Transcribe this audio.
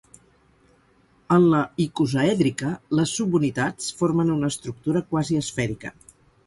En la icosaèdrica, les subunitats formen una estructura quasi esfèrica.